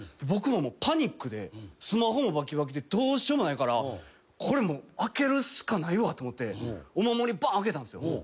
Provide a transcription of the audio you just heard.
僕ももうパニックでスマホもバキバキでどうしようもないからこれ開けるしかないわと思ってお守り開けたんですよ。